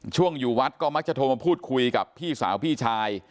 อยู่วัดก็มักจะโทรมาพูดคุยกับพี่สาวพี่ชาย